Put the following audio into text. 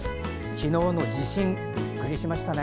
昨日の地震、びっくりしましたね。